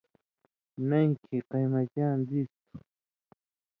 نَیں کھیں قَیمَتِیاں دِیس تُھو،